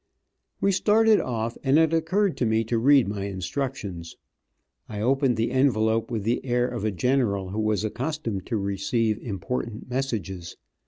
We started off, and it occurred to me to read my instructions. I opened the envelope with the air of a general who was accustomed to receive important messages.